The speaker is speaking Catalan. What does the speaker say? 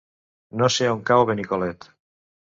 No sé on cau Benicolet.